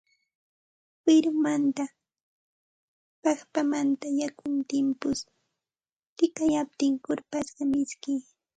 Wirumanta, paqpamanta yakun timpusqa tikayaptin kurpasqa miski